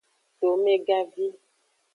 Tomegavi.